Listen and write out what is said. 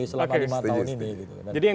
selama lima tahun ini oke setuju jadi yang